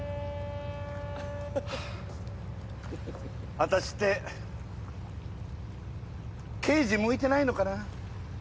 私って刑事向いてないのかな